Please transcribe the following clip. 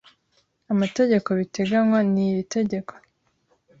amategeko biteganywa n iri tegeko